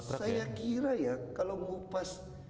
saya kira ya kalau ngupas